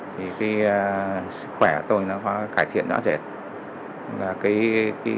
thì cái sức khỏe của bệnh nhân đã được đặt bốn stent đồng mạch chủ